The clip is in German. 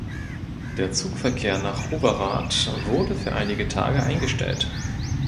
Der Zugverkehr nach Overath wurde für einige Tage eingestellt.